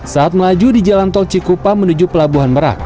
saat melaju di jalan tol cikupa menuju pelabuhan merak